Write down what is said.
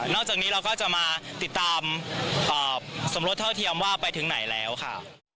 จากนี้เราก็จะมาติดตามสมรสเท่าเทียมว่าไปถึงไหนแล้วค่ะ